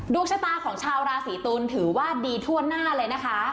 ชะตาของชาวราศีตุลถือว่าดีทั่วหน้าเลยนะคะ